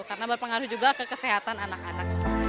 karena berpengaruh juga ke kesehatan anak anak